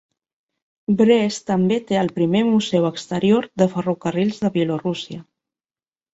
Brest també té el primer museu exterior de ferrocarrils de Bielorússia.